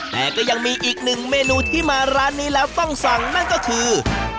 แต่ก็ยังมีอีกหนึ่งเมนูที่มาร้านนี้แล้วต้องสั่งนั่นก็คือ